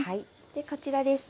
こちらです。